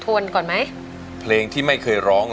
ก็คือร้องให้เหมือนเพลงเมื่อสักครู่นี้